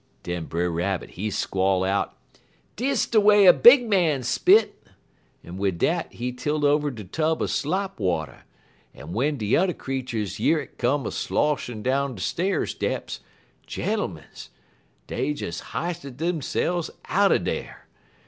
"Den Brer Rabbit, he squall out: "'Dis de way a big man spit!' en wid dat he tilt over de tub er slop water, en w'en de yuther creeturs year it come a sloshin' down de sta'r steps, gentermens! dey des histed deyse'f outer dar.